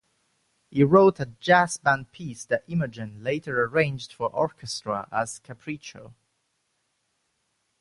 He wrote a "jazz band piece" that Imogen later arranged for orchestra as "Capriccio".